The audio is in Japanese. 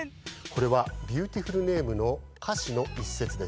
これは「ビューティフル・ネーム」のかしのいっせつです。